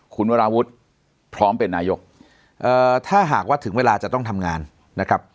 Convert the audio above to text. คุณวราวุฒิพร้อมเป็นนายกถ้าหากว่าถึงเวลาจะต้องทำงานนะครับ